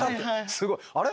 すごい「あれ？